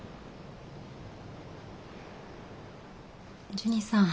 ジュニさん